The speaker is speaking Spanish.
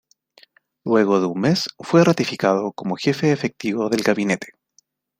Luego de un mes fue ratificado como jefe efectivo del gabinete.